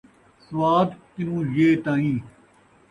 ص کنوں ی تائیں